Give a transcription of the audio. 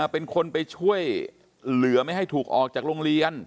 เป็นคนไปช่วยเหลือไม่ให้ถูกออกจากโรงเรียน